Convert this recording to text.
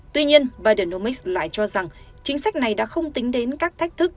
tuy nhiên biden lại cho rằng chính sách này đã không tính đến các thách thức